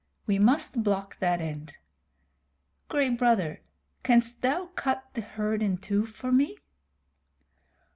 We must block that end. Gray Brother, canst thou cut the herd in two for me?"